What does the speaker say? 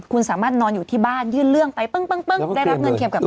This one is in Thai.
คุณสามารถนอนอยู่ที่บ้านยื่นเรื่องไปปึ้งได้รับเงินเทียมกลับมา